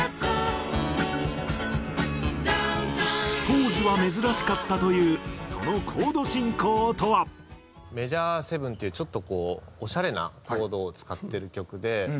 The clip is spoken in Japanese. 当時は珍しかったというそのコード進行とは？っていうちょっとこうオシャレなコードを使ってる曲で。